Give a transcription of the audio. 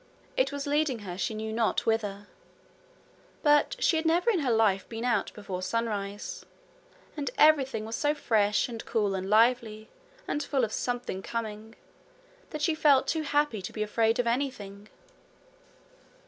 It was leading her she knew not whither; but she had never in her life been out before sunrise, and everything was so fresh and cool and lively and full of something coming, that she felt too happy to be afraid of anything.